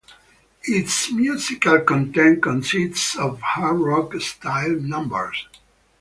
Its musical content consists of hard rock-styled numbers.